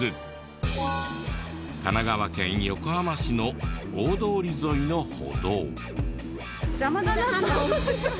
神奈川県横浜市の大通り沿いの歩道。